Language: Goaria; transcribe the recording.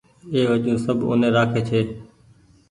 اي وجون سب اوني رآکي ڇي